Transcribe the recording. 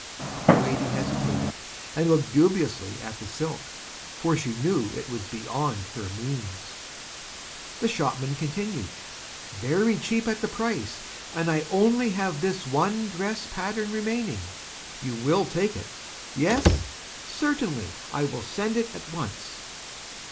The Lady hesitated, and looked Dubiously at the Silk, for she knew it was Beyond her Means. The Shopman Continued: "Very Cheap at the Price, and I have Only this One Dress Pattern remaining. You will Take it? Yes? Certainly, I will Send it at Once."